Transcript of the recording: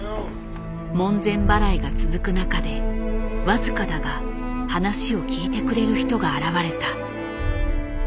門前払いが続く中で僅かだが話を聞いてくれる人が現れた。